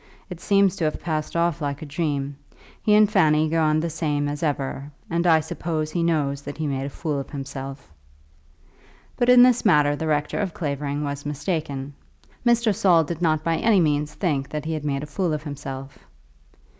"It seems to have passed off like a dream. He and Fanny go on the same as ever, and I suppose he knows that he made a fool of himself." But in this matter the rector of Clavering was mistaken. Mr. Saul did not by any means think that he had made a fool of himself.